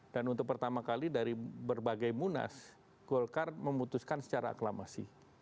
dan untuk pertama kali dari berbagai munas golkar memutuskan secara aklamasi